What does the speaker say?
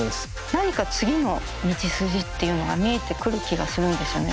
何か次の道筋っていうのが見えてくる気がするんですよね。